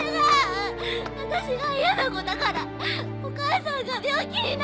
私が嫌な子だからお母さんが病気になって。